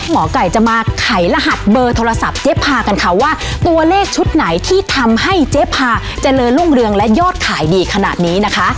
หมอไก่จะมาไขรหัสเบอร์โทรศัพท์เจ๊พากันค่ะว่าตัวเลขชุดไหนที่ทำให้เจ๊พาเจริญรุ่งเรืองและยอดขายดีขนาดนี้นะคะ